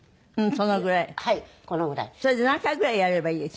それで何回ぐらいやればいい？